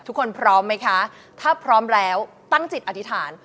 พร้อมไหมคะถ้าพร้อมแล้วตั้งจิตอธิษฐาน